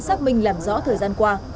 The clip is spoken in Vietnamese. xác minh làm rõ thời gian qua